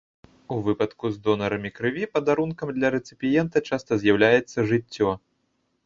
У выпадку з донарамі крыві падарункам для рэцыпіента часта з'яўляецца жыццё.